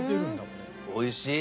おいしい！